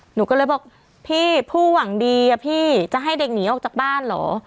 หนูก็เลยบอกพี่ผู้หวังดีอะพี่จะให้เด็กหนีออกจากบ้านเหรอ